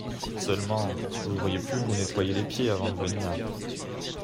Seulement, vous auriez pu vous nettoyer les pieds avant de venir…